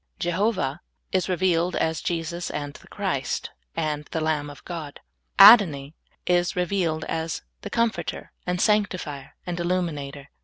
Jehovah is re vealed as Jesus and the Christ and the lamb of God. Adoni is revealed as the Comforter and Sanctifier and Illuminator.